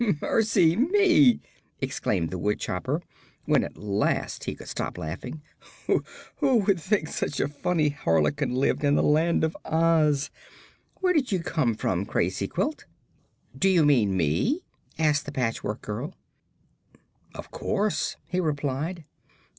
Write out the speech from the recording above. "Mercy me!" exclaimed the woodchopper, when at last he could stop laughing. "Who would think such a funny harlequin lived in the Land of Oz? Where did you come from, Crazy quilt?" "Do you mean me?" asked the Patchwork Girl. "Of course," he replied.